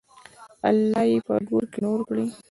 الله یې په ګور کې نور کړي.